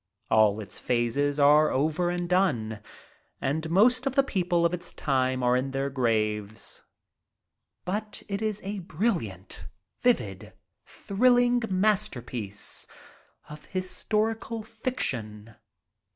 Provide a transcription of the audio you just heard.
All its phases are over and done, and most of the people of its time are in their graves. But it is a brilliant, vivid, thrilling masterpiece of historical fiction.